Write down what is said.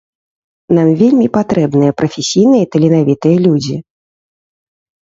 Нам вельмі патрэбныя прафесійныя і таленавітыя людзі.